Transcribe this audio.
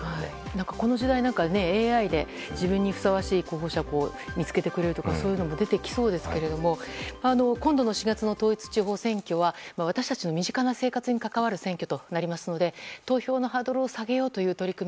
この時代、ＡＩで自分にふさわしい候補者を見つけてくれるというかそういうのも出てきそうですが今度の４月の統一地方選挙は私たちの身近な生活に関わる選挙となりますので投票のハードルを下げようという取り組み